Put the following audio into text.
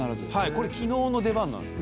これ昨日の出番なんです。